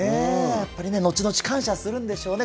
やっぱりね、後々感謝するんでしょうね。